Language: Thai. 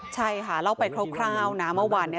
ใช่ค่ะเล่าไปคร่าวนะเมื่อวานนี้